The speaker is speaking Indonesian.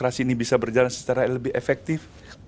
narasi ini bisa berjalan secara lebih efektif